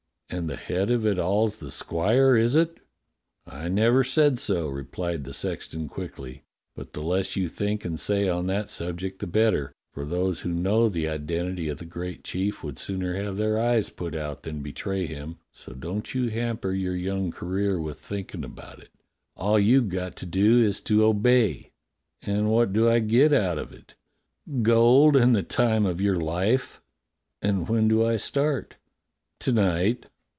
*' And the head of it all's the squire, is it?" "I never said so," replied the sexton quickly; "but the less you think and say on that subject the better, for those who know the identity of the great chief would sooner have their eyes put out than betray him; so don't you hamper your young career with thinkin' about it. All you've got to do is to obey." "And what do I get out of it? "" Gold and the time of your life." "x\nd when do I start? " "To night."